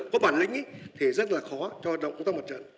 có bản lĩnh thì rất là khó cho động công tác mặt trận